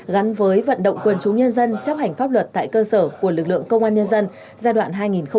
gắn với vận động quân chúng nhân dân chấp hành pháp luật tại cơ sở của lực lượng công an nhân dân giai đoạn hai nghìn một mươi sáu hai nghìn hai mươi